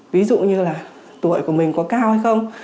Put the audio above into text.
ví dụ như là tuổi của mình có cao hay không